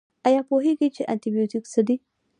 ایا پوهیږئ چې انټي بیوټیک څه دي؟